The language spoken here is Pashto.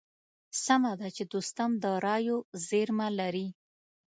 سمه ده چې دوستم د رايو زېرمه لري.